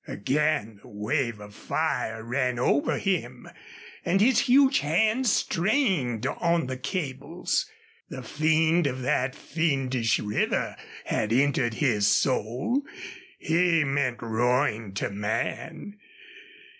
Again the wave of fire ran over him, and his huge hands strained on the cables. The fiend of that fiendish river had entered his soul. He meant ruin to a man.